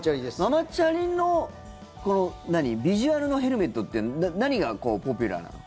ママチャリのビジュアルのヘルメットって何がポピュラーなの？